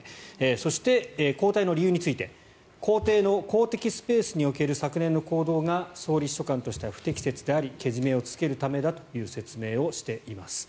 そして、交代の理由について公邸の公的スペースにおける昨年の行動が総理秘書官として不適切でありけじめをつけるためだという説明をしています。